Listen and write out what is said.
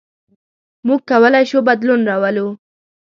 موږ کولی شو بدلون راولو.